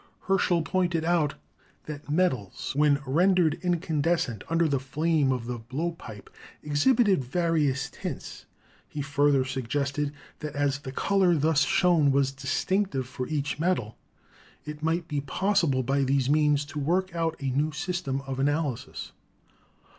Herschel pointed out that metals, when rendered incan descent under the flame of the blowpipe, exhibited vari ous tints. He further suggested that as the color thus shown was distinctive for each metal, it might be possible by these means to work out a new system of analysis.